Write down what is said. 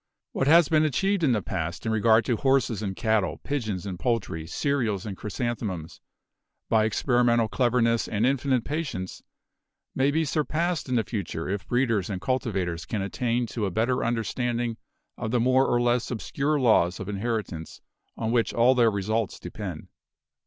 What has been achieved in the past in regard to horses and cattle, pigeons and poultry, cereals and chrysanthemums, "by experimental cleverness and infinite patience may be surpassed in the future if breeders and cultivators can attain to a better understanding of the more or less obscure laws of inheritance on which all their results depend.